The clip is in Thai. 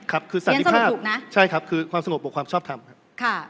ครับคือสันดิบภาพคือความสงบบวกความชอบทำ